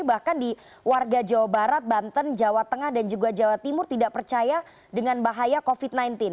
bahkan di warga jawa barat banten jawa tengah dan juga jawa timur tidak percaya dengan bahaya covid sembilan belas